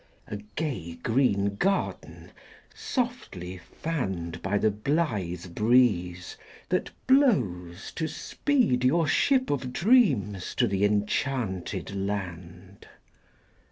A gay green garden, softly fanned By the blythe breeze that blows To speed your ship of dreams to the enchanted land.